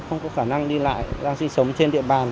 không có khả năng đi lại đang sinh sống trên địa bàn